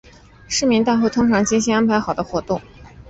市民大会通常是精心安排好的活动。